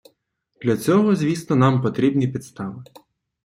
Для цього, звісно, нам потрібні підстави.